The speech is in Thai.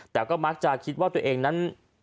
แต่ก็มักจะคิดว่าตัวเองนั้น